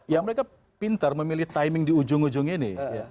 ya mereka pinter memilih timing di ujung ujung ini